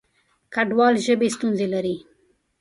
کډوال ژبې ستونزې ولري.